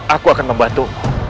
aku akan membantu